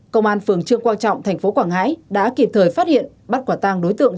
công an phường trương quang trọng thành phố quảng ngãi đã kịp thời phát hiện bắt quả tăng đối tượng